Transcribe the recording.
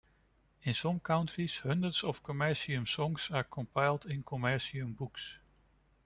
In some countries, hundreds of commercium songs are compiled in commercium books.